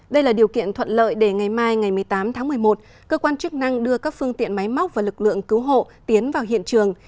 đây là điều kiện thuận lợi để ngày mai ngày một mươi tám tháng một mươi một cơ quan chức năng đưa các phương tiện máy móc và lực lượng cứu hộ tiến vào hiện trường